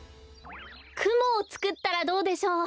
くもをつくったらどうでしょう？